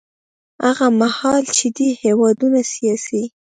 هغه مهال چې دې هېوادونو سیاسي